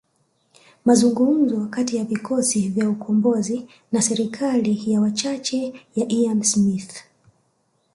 Mazungumzo kati ya vikosi vya ukombozi na serikali ya wachache ya Ian Smith